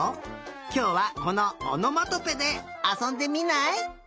きょうはこのおのまとぺであそんでみない？